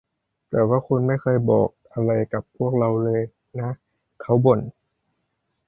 แต่ว่าคุณไม่เคยบอกอะไรกับพวกเราเลยนะ เขาบ่น